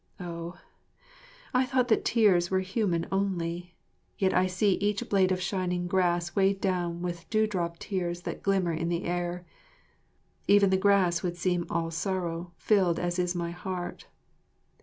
Oh, I thought that tears were human only, yet I see each blade of shining grass weighed down with dewdrop tears that glimmer in the air. Even the grass would seem all sorrow filled as is my heart.